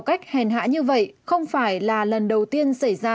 không phải là lần đầu tiên xảy ra